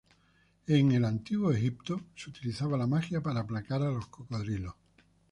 En el antiguo Egipto se utilizaba la magia para aplacar a los cocodrilos.